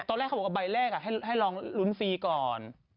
ตอนแรกเขาบอกว่าใบแรกให้ลองลุ้นฟรีก่อน